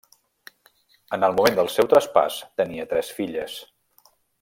En el moment del seu traspàs tenia tres filles: